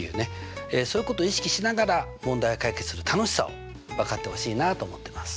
そういうことを意識しながら問題を解決する楽しさを分かってほしいなと思ってます。